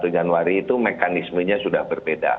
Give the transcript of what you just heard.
satu januari itu mekanismenya sudah berbeda